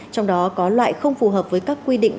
trong đó có loại không phù hợp với các quy định